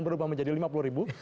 berubah menjadi lima puluh ribu